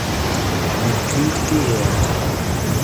Mitglied geehrt.